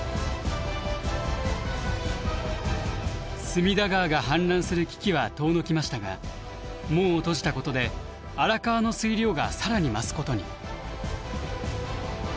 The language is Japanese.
隅田川が氾濫する危機は遠のきましたが門を閉じたことで荒川の水量が更に増すことに。